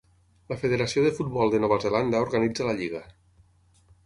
La Federació de Futbol de Nova Zelanda organitza la lliga.